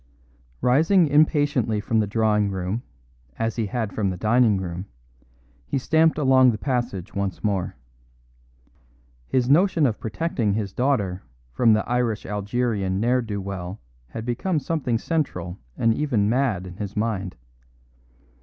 Rising impatiently from the drawing room, as he had from the dining room, he stamped along the passage once more. His notion of protecting his daughter from the Irish Algerian n'er do well had become something central and even mad in his mind.